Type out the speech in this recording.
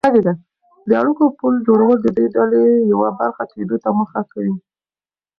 د اړیکو پل جوړول د ډلې یوه برخه کېدو ته مرسته کوي.